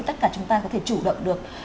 tất cả chúng ta có thể chủ động được